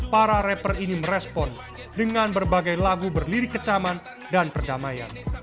para rapper ini merespon dengan berbagai lagu berlirik kecaman dan perdamaian